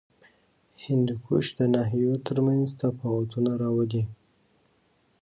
هندوکش د ناحیو ترمنځ تفاوتونه راولي.